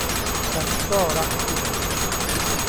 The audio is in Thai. ฉันก็รักคุณ